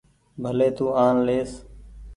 ڀلي تو آن ليس۔